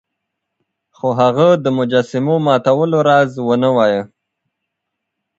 خو هغه د مجسمو ماتولو راز نه وایه.